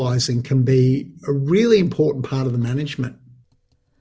adalah bagian penting bagi pengurusan sosial